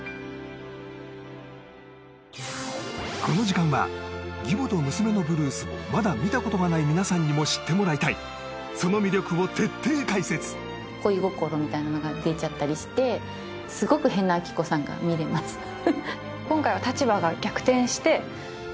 この時間は義母と娘のブルースをまだ見たことがない皆さんにも知ってもらいたいその魅力を徹底解説恋心みたいなのが出ちゃったりしてすごく変な亜希子さんが見れます